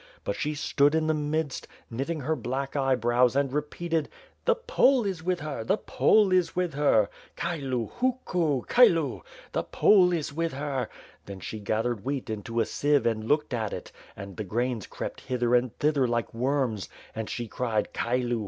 But she stood in the midst, knitting her black eye brows and repeated, 'The Pole is with her! The Pole is with her! Chylu! Hukul Chylu! The Pole is with her!' Then she scattered wheat into a sieve and looked at it, and the grains crept hither and thither like worms; and she cried, 'Chylu!